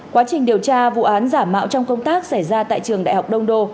quá trình điều tra vụ án giả mạo trong công tác xảy ra tại trường đại học đông đô